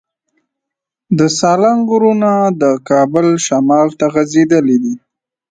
د سالنګ غرونه د کابل شمال ته غځېدلي دي.